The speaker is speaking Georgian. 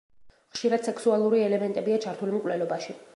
ხშირად სექსუალური ელემენტებია ჩართული მკვლელობაში.